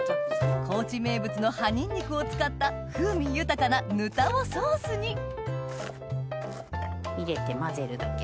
高知名物の葉ニンニクを使った風味豊かなぬたをソースに入れて混ぜるだけ。